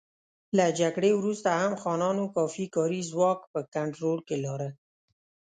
له جګړې وروسته هم خانانو کافي کاري ځواک په کنټرول کې لاره.